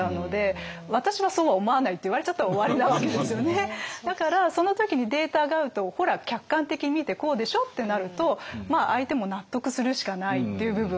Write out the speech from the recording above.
結局だからその時にデータが合うとほら客観的に見てこうでしょうってなると相手も納得するしかないという部分。